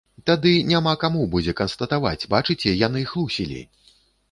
Тады няма каму будзе канстатаваць, бачыце, яны хлусілі!